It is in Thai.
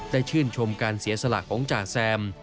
ชื่นชมการเสียสละของจ่าแซม